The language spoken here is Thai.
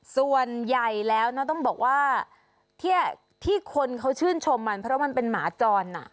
ส่วนใหญ่แล้วนะต้องบอกว่าที่คนเขาชื่นชมมันเพราะมันเป็นหมาจร